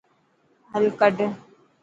حل ڪڌ.